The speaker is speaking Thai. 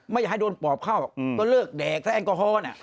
ไม่อยากให้โดนปอบเข้าก็เลิกแดกถ้าแอลกอฮอล์น่ะ